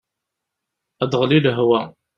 Ad aɣli lehwa.